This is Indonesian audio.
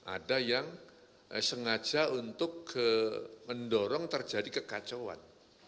ada yang sengaja untuk mendorong terjadi kekacauan